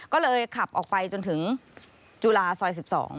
ก็เลยขับออกไปจนถึงจุฬาซอย๑๒